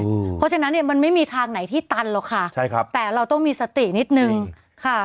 เพราะฉะนั้นเนี้ยมันไม่มีทางไหนที่ตันหรอกค่ะใช่ครับแต่เราต้องมีสตินิดนึงค่ะ